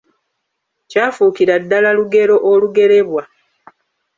Kyafuukira ddala lugero olugerebwa.